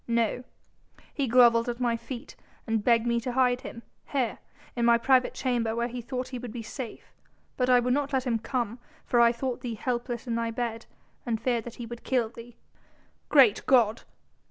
"No! He grovelled at my feet and begged me to hide him ... here ... in my private chamber where he thought he would be safe ... but I would not let him come for I thought thee helpless in thy bed, and feared that he would kill thee." "Great God!"